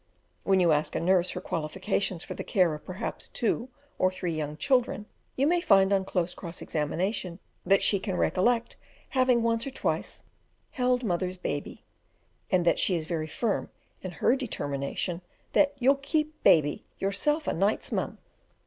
When you ask a nurse her qualifications for the care of perhaps two or three young children, you may find, on close cross examination, that she can recollect having once or twice "held mother's baby," and that she is very firm in her determination that "you'll keep baby yourself o' nights; mem!"